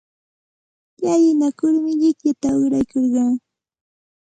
Llalinakurmi llikllata uqraykurqaa.